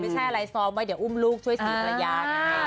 ไม่ใช่อะไรซ้อมไว้เดี๋ยวอุ้มลูกช่วยสี่ภรรยานะคะ